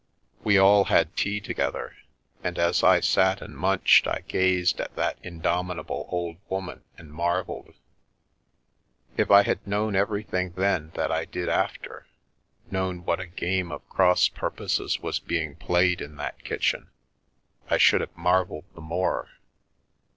We all had tea together, and as I sat and munched I gazed at that indomitable old woman and marvelled. If I had known everything then that I did after, known what a game of cross purposes was being played in that kitchen, I should have marvelled the more.